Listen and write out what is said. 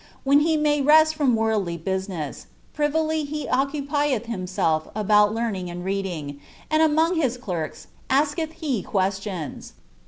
When he may rest from worldly biui neas, privily he occupielh himself about learning and reading, and anraif his clerks askeih he questions.